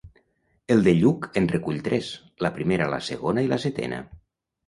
El de Lluc en recull tres, la primera, la segona i la setena.